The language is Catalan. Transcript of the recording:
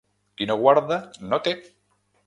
Qui no guarda, no té.